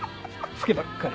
老けばっかり。